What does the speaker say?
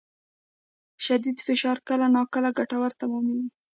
شدید فشار کله ناکله ګټور تمامېږي.